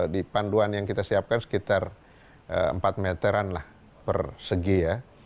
di panduan yang kita siapkan sekitar empat meteran lah persegi ya